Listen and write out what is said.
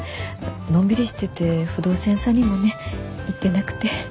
のんびりしてて不動産屋さんにもね行ってなくて。